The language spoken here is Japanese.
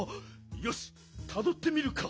よしたどってみるか。